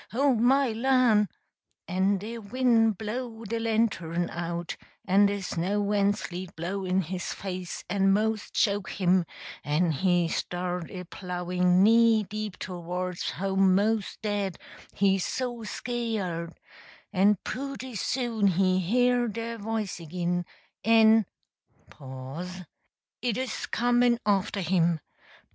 OH, my lan'!" en de win' blow de lantern out, en de snow en sleet blow in his face en mos' choke him, en he start a plowin' knee deep towards home mos' dead, he so sk'yerd en pooty soon he hear de voice agin, en it 'us comin' after him!